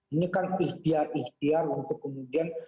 ini kan ikhtiar ikhtiar untuk kemudian